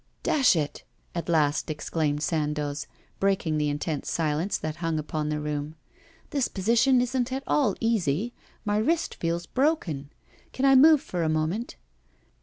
'Dash it!' at last exclaimed Sandoz, breaking the intense silence that hung upon the room. 'This position isn't at all easy; my wrist feels broken. Can I move for a moment?